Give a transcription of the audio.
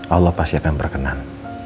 allah pasti akan berkenan